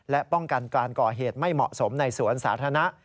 และป้องกันการก่อเหตุไม่เหมาะสมในสวนสาธารณะ